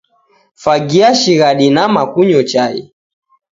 Fagia shighadi nama kunyo chai